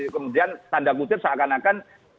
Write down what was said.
kemudian tanda kutip seakan akan